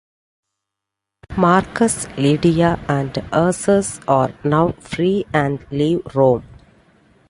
Marcus, Lydia and Ursus are now free and leave Rome.